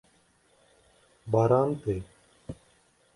Baran tê.